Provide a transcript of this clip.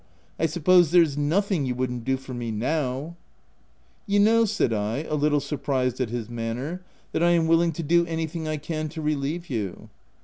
— I sup pose there's nothing you wouldn't do for me now }" "You know," said I, a little surprised at his manner, "that I am willing to do anything I can to relieve you."